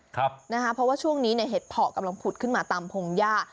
เพราะว่าช่วงนี้เนี่ยเห็ดเพาะกำลังผุดขึ้นมาตามพงหญ้า